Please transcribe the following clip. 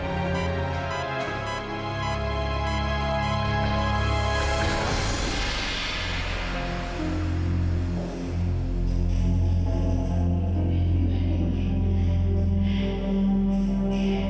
kita harus lukisan semula